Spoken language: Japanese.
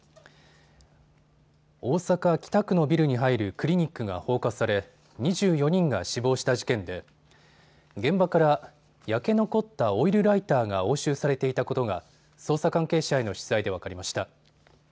大阪北区のビルに入るクリニックが放火され２４人が死亡した事件で現場から焼け残ったオイルライターが押収されていたことが捜査関係者への取材で分かりました。